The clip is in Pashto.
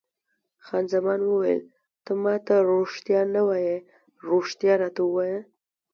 خان زمان وویل: ته ما ته رښتیا نه وایې، رښتیا راته ووایه.